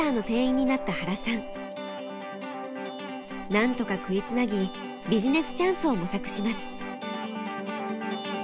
なんとか食いつなぎビジネスチャンスを模索します。